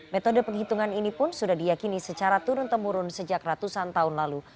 metode penghitungan ini pun sudah diyakini secara turun temurun sejak ratusan tahun lalu